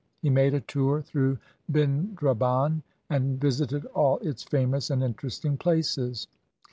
He made a tour through Bindraban and visited all its famous and interesting places.